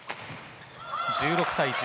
１６対１０